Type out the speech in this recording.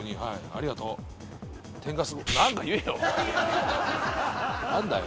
ありがとう。何だよ？